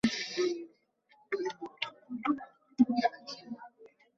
তা স্পষ্টভাবে দেখতে পেয়েই সে চীৎকার করে বেহুঁশ হয়ে পড়ে।